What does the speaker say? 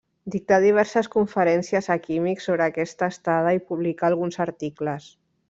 Dictà diverses conferències a químics sobre aquesta estada i publicà alguns articles.